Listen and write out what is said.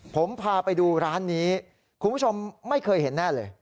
ผมพาไปดูร้านนี้คุณผู้ชมไม่เคยเห็นแน่เลย